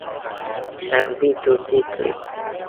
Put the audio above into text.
سبزي ټوټې کړئ